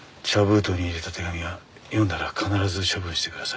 封筒に入れた手紙は読んだら必ず処分してください